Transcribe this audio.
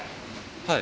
はい。